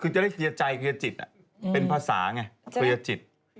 จะได้เคลียร์ใจเคลียร์จิตอะเป็นภาษาไง